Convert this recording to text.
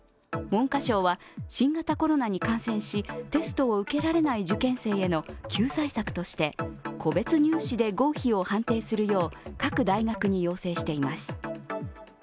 文科省は新型コロナに感染し、テストを受けられない受験生への救済策として個別入試で合否を判定するよう、各大学に要請しています。